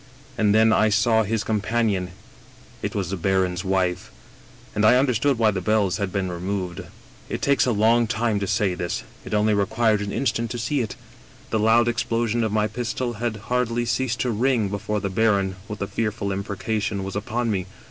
And then I saw his companion — it was the baron's wife. And I under stood why the bells had been removed. " It takes a long time to say this ; it only required an instant to see it. The loud explosion of my pistol had hardly ceased to ring before the baron, with a fearful im precation, was upon me.